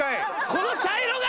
この茶色が！